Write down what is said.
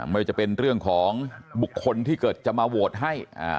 ไม่ว่าจะเป็นเรื่องของบุคคลที่เกิดจะมาโหวตให้